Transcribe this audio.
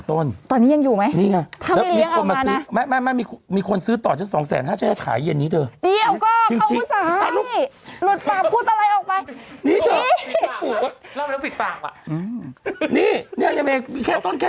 ตอนนี้ยังอยู่ไหมถ้าไม่เรียกเอามานะนี่แล้วมีคนมาซื้อ